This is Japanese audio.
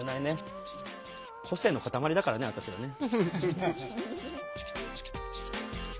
個性の塊だからね私らね。